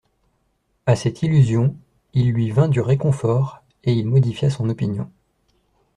A cette illusion, il lui vint du réconfort, et il modifia son opinion.